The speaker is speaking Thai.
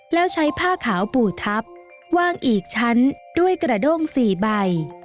แล้วใช้ผ้าขาวปู่ทับวางอีกชั้นด้วยกระด้ง๔ใบ